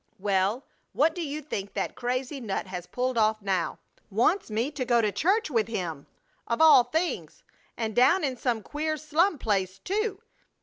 "Well, what do you think that crazy nut has pulled off now? Wants me to go to church with him! Of all things! And down in some queer slum place, too!